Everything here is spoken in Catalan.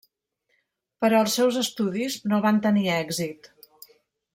Però els seus estudis no van tenir èxit.